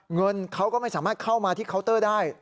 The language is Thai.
เงินเขาก็ไม่สามารถเข้ามาที่เคาน์เตอร์ได้